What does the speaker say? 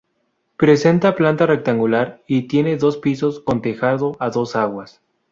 Presenta planta rectangular y tiene dos pisos, con tejado a dos aguas.